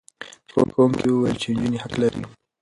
ښوونکي وویل چې نجونې حق لري.